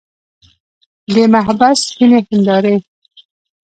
د محبس سپینې هندارې.